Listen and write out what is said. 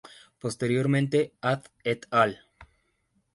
Posteriormente Adl "et al.